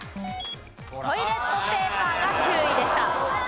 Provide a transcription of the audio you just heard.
トイレットペーパーが９位でした。